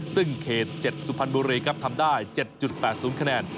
ซึ่งเขตเจ็ดสุพรรณบุรีครับทำได้เจ็ดจุดแปดศูนย์คะแนน